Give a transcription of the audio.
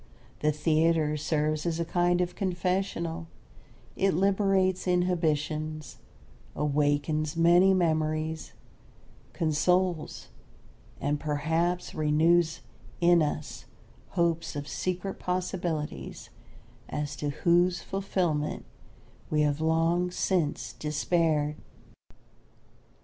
The theatre serves as a kind of confessional; it liberates inhibitions; awakens many memories, consoles, and perhaps renews in us hopes of secret possibilities as to whose fulfillment we have long since despaired.